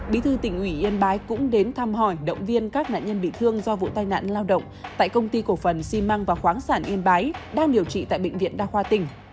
bí thư tỉnh ủy yên bái cũng đến thăm hỏi động viên các nạn nhân bị thương do vụ tai nạn lao động tại công ty cổ phần xi măng và khoáng sản yên bái đang điều trị tại bệnh viện đa khoa tỉnh